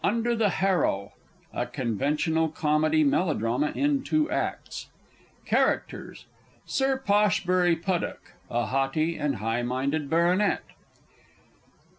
C.] IX. UNDER THE HARROW. A CONVENTIONAL COMEDY MELODRAMA, IN TWO ACTS. CHARACTERS. _Sir Poshbury Puddock (a haughty and high minded Baronet).